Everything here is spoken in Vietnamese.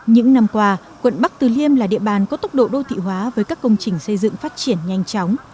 những năm qua quận bắc từ liêm là địa bàn có tốc độ đô thị hóa với các công trình xây dựng phát triển nhanh chóng